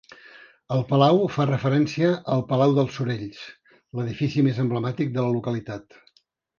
El palau fa referència al palau dels Sorells, l'edifici més emblemàtic de la localitat.